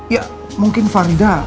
ya mungkin farida